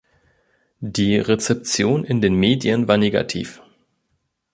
Die Rezeption in den Medien war negativ.